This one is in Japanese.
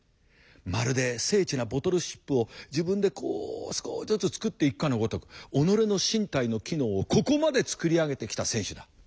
まるで精緻なボトルシップを自分でこう少しずつ作っていくかのごとく己の身体の機能をここまで作り上げてきた選手だ。